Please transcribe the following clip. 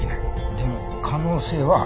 でも可能性はある。